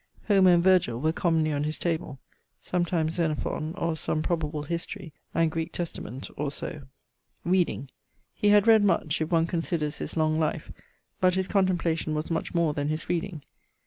Homer and Virgil were commonly on his table; sometimes Xenophon, or some probable historie, and Greek Testament, or so. Reading. He had read much, if one considers his long life; but his contemplation was much more then his reading.